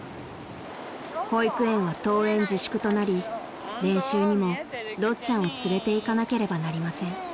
［保育園は登園自粛となり練習にもろっちゃんを連れていかなければなりません］